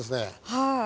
はい。